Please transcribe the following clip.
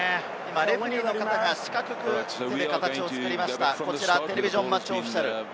レフェリーの方が四角い形を作りました、テレビジョン・マッチ・オフィシャル。